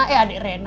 eh adek rena